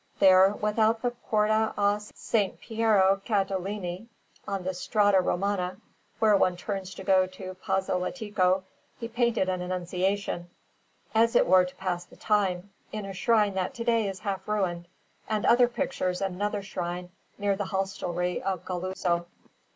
There, without the Porta a S. Piero Gattolini, on the Strada Romana, where one turns to go to Pazzolatico, he painted an Annunciation, as it were to pass the time, in a shrine that to day is half ruined, and other pictures in another shrine near the hostelry of Galluzzo.